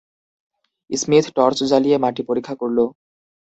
Smith torch জ্বালিয়ে মাটি পরীক্ষা করল।